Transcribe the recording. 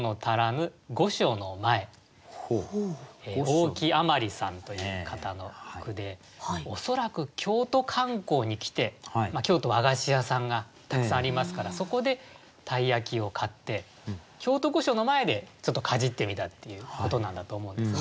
大木あまりさんという方の句で恐らく京都観光に来て京都和菓子屋さんがたくさんありますからそこで鯛焼を買って京都御所の前でちょっとかじってみたっていうことなんだと思うんですね。